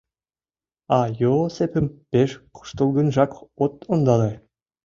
А Йоосепым пеш куштылгынжак от ондале.